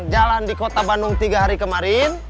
jalan di kota bandung tiga hari kemarin